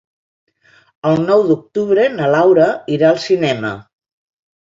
El nou d'octubre na Laura irà al cinema.